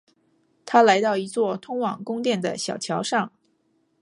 他来到一座通往宫殿的小桥上。